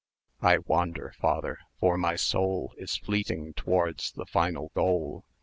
1280 I wander father! for my soul Is fleeting towards the final goal.